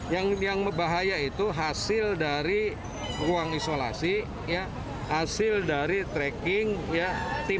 yang berbahaya itu hasil dari ruang isolasi hasil dari tracking ya